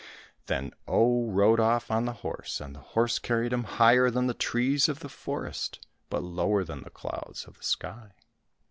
Then Oh rode off on the horse, and the horse carried him higher than the trees of the forest, but lower than the clouds of the sky.